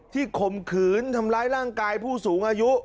ข่มขืนทำร้ายร่างกายผู้สูงอายุ